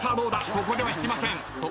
ここでは引きません。